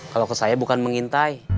kalau ke saya bukan mengintai